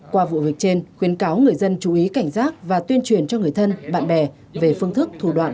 qua vụ việc trên khuyến cáo người dân chú ý cảnh giác và tuyên truyền cho người thân bạn bè về phương thức thủ đoạn